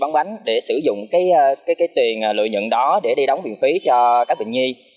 bán bánh để sử dụng cái tuyền lựa nhận đó để đi đóng miền phí cho các bệnh nhi